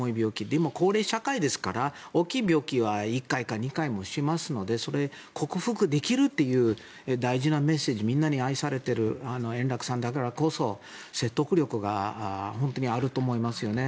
今、高齢社会ですから大きい病気は１回か２回はしますからそれを克服できるという大事なメッセージみんなに愛されている円楽さんだからこそ説得力が本当にあると思いますよね。